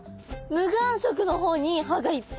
無眼側の方に歯がいっぱい。